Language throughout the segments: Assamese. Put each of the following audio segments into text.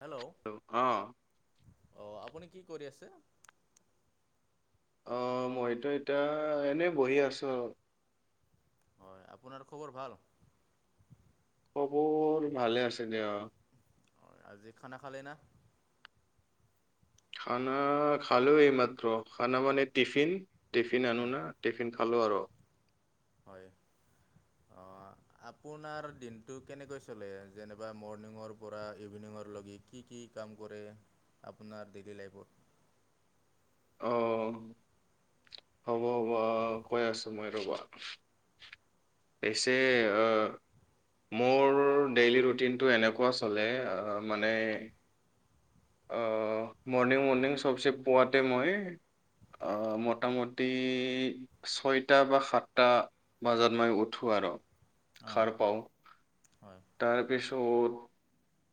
হেল্ল', অ অ' আপুনি কি কৰি আছে? অ' মইতো এতিয়া এনেই বহি আছোঁ আৰু। হয়, আপোনাৰ খবৰ ভাল? খবৰ ভালে আছে দিয়া। অ' আজি খানা খালে না? খানা খালোঁ এইমাত্ৰ, খানা মানে টিফিন। টিফিন আনো হয় না, টিফিন খালোঁ আৰু। হয়, অ' আপোনাৰ দিনটো কেনেকৈ চলে যেনিবা মৰ্ণিঙৰ পৰা ইভিনিঙৰলৈকে। কি কি কাম কৰে, আপোনাৰ ডেইলী লাইফত। অ' হ'ব হ'ব অ' কয় আছোঁ মই ৰ'বা। পিছে আ মোৰ ডেইলী ৰুটিনটো এনেকুৱা চলে মানে অ' মৰ্ণিং মৰ্ণিং চবচে পোৱাতে মই অ' মোটামটি ছয়টা বা সাতটা বাজাত মই উঠো আৰু। অ' সাৰ পাওঁ হয়। তাৰপিছত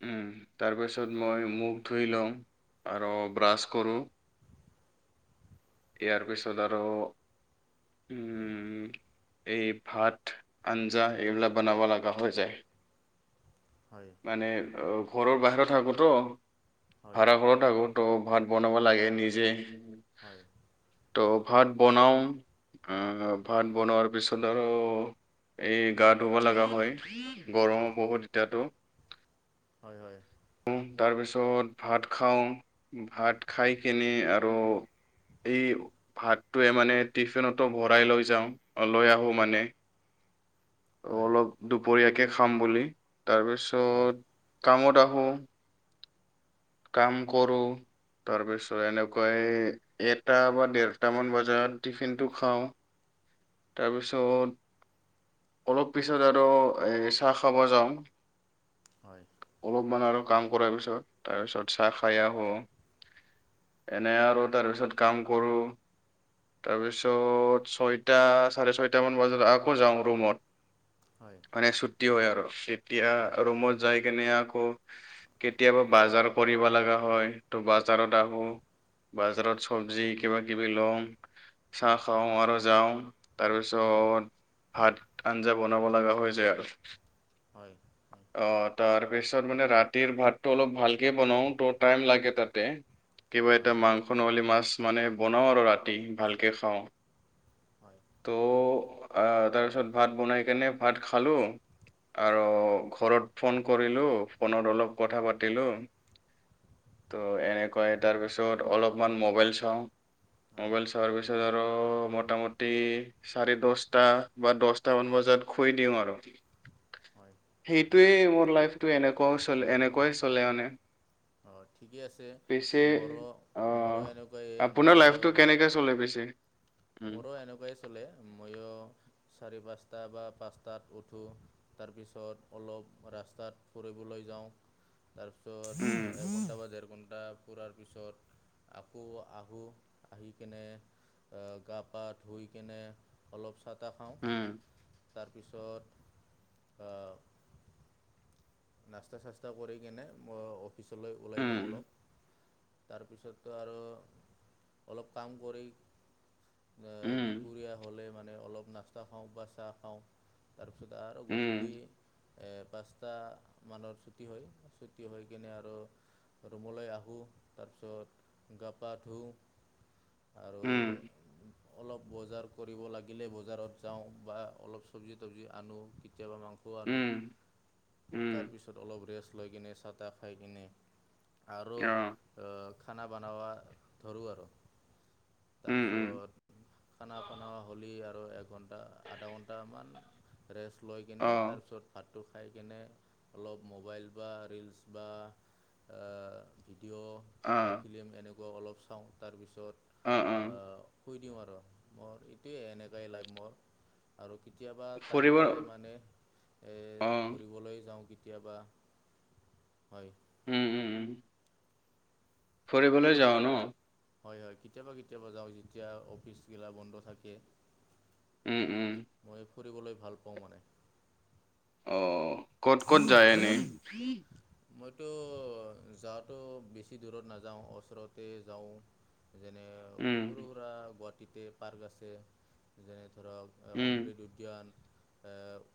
উম, তাৰপিছত মই মুখ ধুই লওঁ, আৰু ব্ৰাছ কৰোঁ। [inaudible] ইয়াৰ পিছত আৰু, উম এই ভাত, আঞ্জা এইবিলাক বানাবা লাগা হৈ যায়। হয়। মানে ঘৰৰ বাহিৰত থাকোঁতো, হয় ভাড়াঘৰত থাকো ত' ভাত বনাব লাগে নিজে। হয়। ত' ভাত বনাওঁ আহ ভাত বনোৱাৰ পিছত আৰু এই গা ধুব লাগা হয়। গৰম বহুত এতিয়াতো হয় হয়। তাৰপিছত ভাত খাওঁ ভাত খাই কিনে আৰু এই ভাতটোৱে মানে টিফিনতো ভৰাই লৈ যাওঁ লৈ আহো মানে হয় হয় অলপ দুপৰীয়াকৈ খাম বুলি হয় তাৰপিছত কামত আহোঁ কাম কৰোঁ তাৰপিছত এনেকৈ এটা বা ডেৰটামান বজাত টিফিনটো খাওঁ তাৰপিছত অলপ পিছত আৰু এই চাহ খাব যাওঁ হয় অলপমান আৰু কাম কৰাৰ পিছত তাৰপিছত চাহ খাই আহ আহো এনে আৰু তাৰপিছত কাম কৰোঁ তাৰপিছত ছয় টা চাৰে ছয়টামান বজাত আকৌ যাওঁ ৰুমত হয় ছুটি হয় আৰু তেতিয়া হয় ৰুমত যাই কেনে আকৌ কেতিয়াবা বাজাৰ কৰিব লগা হয় তো বজাৰত আহোঁ বজাৰত চব্জি কিবা কিবি লওঁ চাহ খাওঁ আৰু যাওঁ তাৰপিছত ভাত আঞ্জা বনাব লগা হৈ যায় আৰু হয় হয় অ' তাৰপিছত মানে ৰাতিৰ ভাতটো অলপ ভালকৈ বনাওঁ তো টাইম লাগে তাতে কিবা এটা মাংস নহ'লে মাছ মানে বনাওঁ আৰু ৰাতি ভালকে খাওঁ হয় ত' তাৰপিছত ভাত বনাই কেনে ভাত খালো আৰু ঘৰত ফোন কৰিলোঁ ফোনত অলপ কথা পাতিলোঁ ত' এনেকাই তাৰ পিছত অলপমান মোবাইল চাওঁ হয় ম'বাইল চোৱাৰ পিছ ছত আৰু মোটামুটি চাৰে দছটা বা দছটা মান বজাত শুই দিওঁ আৰু হয সেইটোৱেই মোৰ লাইফটো এনেকুৱাও চলে এনেকুৱাই চলে মানে অ' ঠিকে আছে পিছে মোৰো আহ মোৰো এনেকুৱাই আপোনাৰ মইয়ো লাইফটো কেনেকে [inaudible] মোৰো এনেকুৱাই চলে ময়ো চাৰি পাঁচটা বা পাঁচটাত উঠোঁ তাৰপিছত অলপ ৰাস্তাত ফৰিবলৈ যাওঁ তাৰপিছত উম একঘণ্টা বা দেৰ ঘণ্টা ফুৰাৰ পিছত আকৌ আহোঁ আহি কিনে গাহ পা ধুই কেনে অলপ চাহ তাহ খাওঁ উম তাৰপিছত অ'। নাস্তা চাস্তা কৰি কেনে মই অফিচলৈ ওলাই যাওঁ উম অলপ। তাৰপিছতো আৰু অলপ কাম কৰি উম দুপৰীয়া হ'লে মানে অলপ নাস্তা খাওঁ বা চাহ খাওঁ। তাৰপিছতে আৰু গধূলি উম পাঁচটা মানত ছুটি হয়, ছুটি হৈ কিনে আৰু ৰুমলৈ আহোঁ, তাৰপিছত গা-পা ধুওঁ। আৰু উম অলপ বজাৰ কৰিব লাগিলে, বজাৰত যাওঁ বা অলপ চব্জি তবজি, আনো কেতিয়াবা মাংস পোৱা আনো উম উম উম তাৰপিছত অলপ ৰেষ্ট লৈ কিনে চাহ-তাহ খাই কিনে, আৰু অ, খানা বনাৱ ধৰোঁ আৰু। উম উম তাৰপিছত খানা পানা, হ'লেই আৰু এঘণ্টা, আধা ঘণ্টামান ৰেষ্ট লৈ কিনে, অ তাৰপিছত ভাতটো খাই কেনে অলপ মোবাইল বা ৰিলচ বা-ভিডিঅ। অ বা ফিল্ম এনেকুৱা অলপ চাওঁ, অ অ তাৰপিছত আ শুই দিওঁ আৰু মোৰ এইটোৱে এনেকুৱাই লাইফ মোৰ। আৰু কেতিয়াবা টাইম ফুৰিব পালে অ মানে, এই উম ঘূৰিবলৈ যাওঁ কেতিয়াবা, হয়। উম, উম, উম, ফুৰিবলৈ যোৱা ন,? হয়, হয়, কেতিয়াবা কেতিয়াবা যাওঁ যেতিয়া অফিচ গিলা বন্ধ থাকে। উম, উম, মই ফুৰিবলৈ ভাল পাওঁ মানে। অ, ক'ত ক'ত যায় এনেই [unintelligible] মইতো যাৱাতো বেছি দূৰত নাযাওঁ, ওচৰতে যাওঁ। যেনে, উম সৰু-সুৰা গুৱাহাটীতে পাৰ্ক আছে। যেনে ধৰক উম অমৃত উদ্যান,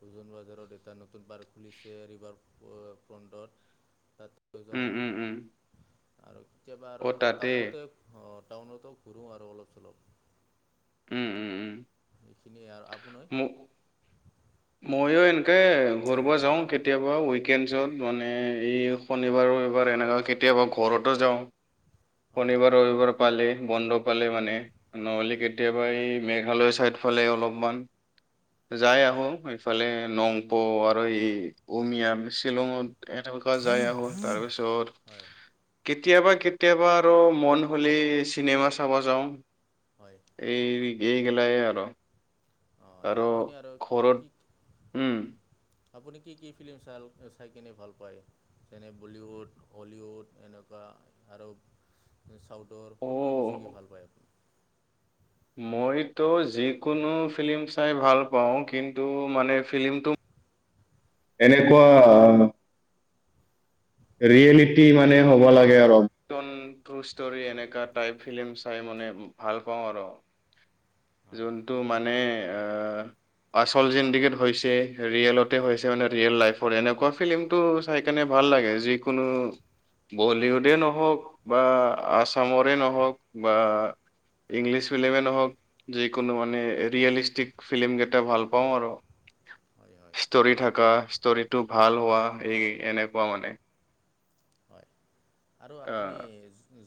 উজন বজাৰত এটা নতুন পাৰ্ক খুলিছে ৰিভাৰ-ফ্ৰণ্টত তাতৈ উম যাওঁ। উম উম আৰু কেতিয়াবা আৰু অ তাতে টাউনতে, টাউনতো ঘূৰোঁ আৰু অলপ চলপ। উম, উম, উম, সেইখিনিয়ে আৰু আপোনাৰ? [unintelligible] ময়ো এনেকে ঘূৰবা যাওঁ, কেতিয়াবা উইকেণ্ডছত মানে এই শনিবাৰ-ৰবিবাৰ এনেকা কেতিয়াবা ঘৰতো যাওঁ। হয় শনিবাৰ- ৰবিবাৰ পালে বন্ধ পালে, মানে নহ'লে হয় কেতিয়াবা এই মেঘালয় চাইদ ফালে, অলপমান। যাই আহোঁ, ইফালে নংপৌ আৰু এই উমিয় শ্বিলঙত। এনেকুৱা যাই আহোঁ, তাৰ পিছত হয় কেতিয়াবা, কেতিয়া কেতিয়াবা আৰু মন হ'লে চিনেমা চাবা যাওঁ। হয়। এই, এই, গেলাই আৰু। হয়, আপুনি আৰু ঘৰত কি উম আপুনি কি কি ফিল্ম চাই আৰু চাই কিনে ভাল পায়? যেনে বলীউড, হলিউড, এনেকুৱা আৰু চাউথ। তৰ, অ কোনটো বেছিকৈ ভাল পায়? মইতো যিকোনো ফিল্ম চাই ভাল পাওঁ কিন্তু মানে ফিল্মটো এনেকুৱা ৰিয়েলিটি মানে হ'ব লাগে আৰু [inaudible] ফিল্ম চাই মই মই ভাল পাওঁ আৰু হয় যোনটো মানে অ' আচল জিন্দেগীত হৈছে ৰিয়েলতে হৈছে মানে ৰিয়েল লাইফৰ এনেকুৱা ফিল্ম টো চাই কিনে ভাল লাগে যিকোনো বলিউডে নহওক বা আছামৰে নহওক বা ইংলিছ ফ্লিমে নহওক যিকোনো মানে ৰিয়েলিষ্টিক ফিল্ম কেইটা ভাল পাওঁ আৰু হয় হয় ষ্টৰি থকা ষ্টৰিটো ভাল হোৱা এই এনেকুৱা মানে হয় আৰু আপুনি আহ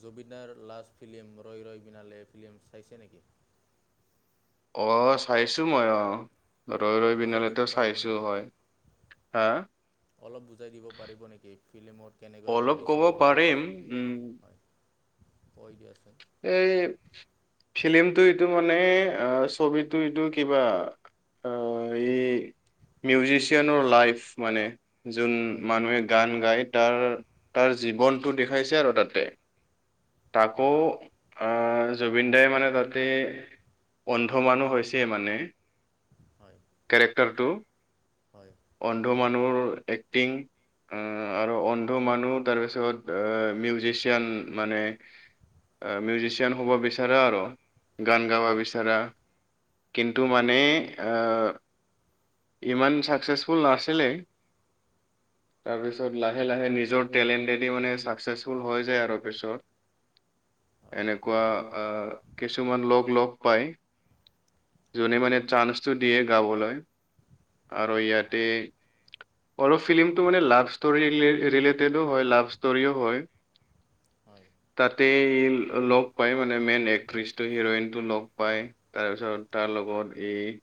জুবিনদাৰ লাষ্ট ফিল্ম ৰৈ ৰৈ বিনালে ফিল্ম চাইছে নেকি? অ', চাইছো মই অ' ৰৈ অলপ ৰৈ বুজাই বিনালে দিব পাৰিব চাইছো নেকি হয়। হা? অলপ বুজাই দিব পাৰিব নেকি ফিল্মত কেনেকুৱা আৰু অলপ ক'ব ওলাইছিল কি পাৰিম উম চিষ্টেমত হয়? কৈ দি আছো। এই ফিল্মটো এইটো মানে আ ছবিটো এইটো কিবা আ' এই মিউজিচিয়ানৰ লাইফ মানে যোন হয় মানুহে গান গায় তাৰ তাৰ জীৱনটো দেখাইছে আৰু তাতে তাকো হয় জুবিন দাই মানে তাতে অন্ধ মানুহ হৈছে মানে হয় কেৰেক্টাৰটো হয় অন্ধ মানুহৰ এক্টিং আৰু অন্ধ মানুহ তাৰপিছত অ মিউজিচিয়ান মানে মিউজিচিয়ান হ'ব বিচাৰা আৰু গান গাবা হয় বিচাৰা কিন্তু হয় মানে ইমান চাকচেচফুল নাছিলে তাৰপিছত লাহে লাহে নিজৰ টেলেণ্টেদি মানে ছাকচেছফুল হৈ যায় আৰু পিছত। হয় এনেকুৱা আ কিছুমান লগ লগ পায়। যোনে হয় মানে চান্সটো দিয়ে গাবলৈ। আৰু অঁ ইয়াতে অলপ ফিল্মটো মান লাভ ষ্টৰী ৰিলেটেডো হয় লাভ ষ্টৰিও হয় হয়। তাতে ই লগ পায় মানে মেইন এক্ট্ৰেছটো হিৰইনটো লগ পায়। তাৰপিছত তাৰ লগত ই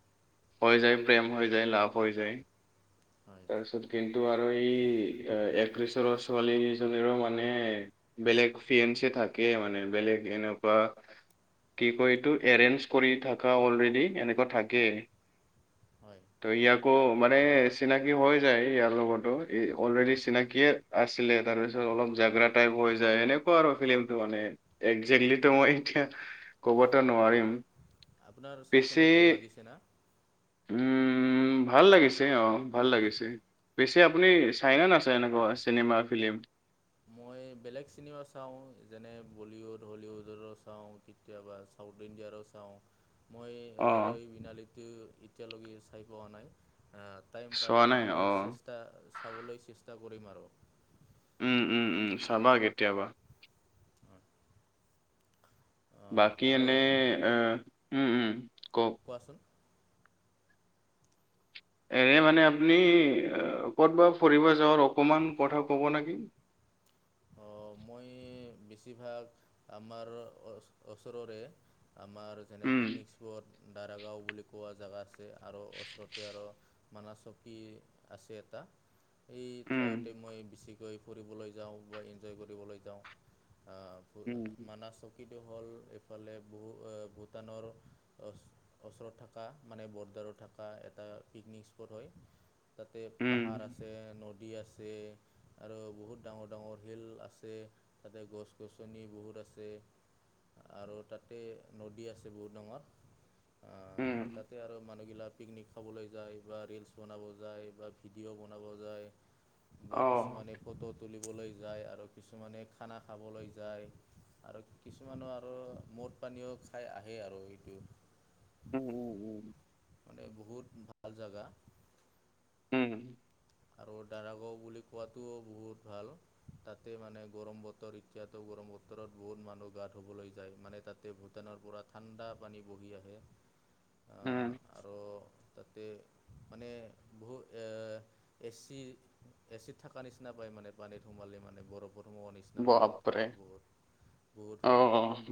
হৈ যায় প্ৰেম হৈ যায় লাভ হৈ যায়। হয় তাৰপিছত কিন্তু আৰু এই একত্ৰিছৰ ছোৱালীজনীৰো মানে বেলেগ ফিয়েনচি থাকে মানে বেলেগ এনেকুৱা কি কয় এইটো এৰেঞ্জ কৰি থকা অলৰেডি এনেকুৱা থাকে হয়। তো ইয়াকো মানে চিনাকি হৈ যায় ইয়াৰ লগতো ই অলৰেডি চিনাকিয়ে আছিলে তাৰ পিছত অলপ জাগৰাত টাইপ হৈ যায় তেনেকুৱা আৰু ফিল্মটো মানে একজেক্টলি টো মই এতিয়া ক'বটো অঁ নোৱাৰিম আপোনাৰ চাই কেনে পিছে ভাল লাগিছে না উম ভাল লাগিছে অ'। ভাল লাগিছে পিছে আপুনি হয়। চাইনা নাচাই এনেকুৱা চিনেমা ফিল্ম। এ', বেলেগ চিনেমা চাওঁ যেনে বলিউড হলিউডৰো চাওঁ কেতিয়াবা। ছাউথ ইন্ডিয়াৰো চাওঁ। মই অ ৰৈ ৰৈ বিনালেটো এতিয়ালৈকে চাই পোৱা নাই আ'। টাইম চোৱা পালে নাই মানে অ চেষ্টা চাবলৈ চেষ্টা কৰিম আৰু উম, উম, উম, চাবা কেতিয়াবা। বাকী আৰু এনে এ উম, উম, কওক? কোৱাচোন? এনে মানে আপুনি ক'তবা ফুৰিব যাওঁৱাৰ অকণমান কথা ক'ব নেকি? অ', মই বেছিভাগ আমাৰ ওচৰৰে আমাৰ যেনে উম পিকনিক স্পট দাৰাগাঁও বুলি কোৱা জেগা আছে, আৰু ওচৰতে আৰু মানা চকী আছে এটা। সেই উম ঠাইতে মই বেছিকৈ ফুৰিবলৈ যাওঁ। এঞ্জয় কৰিবলৈ যাওঁ আ উম [unintelligible] মানা চকীটো হ'ল এইফালে ভূটানৰ ওচৰত থাকা মানে বৰ্ডাৰত থাকা এটা পিকনিক স্পট হয়। তাতে পাহাৰ উম আছে নদী আছে, আৰু বহুত ডাঙৰ ডাঙৰ হিল আছে তাতে গছ-গছনি বহুত আছে। আৰু তাতে নদী আছে বহুত ডাঙৰ উম তাতে আৰু মানুহগিলাক পিকনিক খাবলৈ যায় বা ৰিলচ বনাব যায় বা ভিডিঅ' বনাব যায়। অ বা কিছুমানে ফটো তুলিবলৈ যায় আৰু কিছুমানে খানা খাবলৈ যায়। আৰু কিছুমানো আৰু মদ পানীও খাই আহে আৰু এইটো। উম, উম, উম। মানে বহুত ভাল জাগা। উম। আৰু দাৰাগাও বুলি কোৱাটো বহুত ভাল। তাতে মানে গৰম বতৰ এতিয়াতো গৰম বতৰত বহুত মানুহ গা ধুবলৈ যায়, মানে তাতে ভূটানৰ পৰা ঠাণ্ডা পানী বহি আহে। [inaudible] অ', আৰু তাতে মানে বহুত এ এচি এচি ত থাকা নিচিনা পায় মানে পানীত সোমালি মানে বৰফত নিচিনা পাই যায় বাপৰে তেতিয়া বহুত বহুত অ ভাল,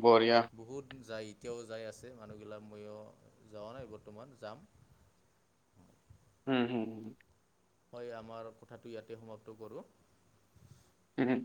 বঢ়িয়া বহুত যাই এতিয়াও যাই আছে মানুহগিলাক ময়ো যোৱা নাই বৰ্তমান যাম। উম, হুম, হু। হয়, আমাৰ কথাটো ইয়াতে সমাপ্ত কৰোঁ। হুম।